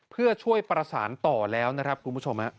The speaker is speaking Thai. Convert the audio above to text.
เพื่อช่วยประสานต่อแล้วนะครับคุณผู้ชม